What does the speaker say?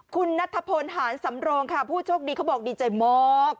คุณนัทพลหารสำโรงค่ะผู้โชคดีเขาบอกดีใจมาก